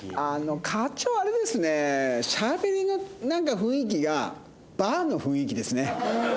課長あれですねしゃべりの雰囲気がバーの雰囲気ですね。